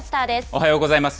おはようございます。